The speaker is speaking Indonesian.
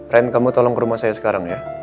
rain kamu tolong ke rumah saya sekarang ya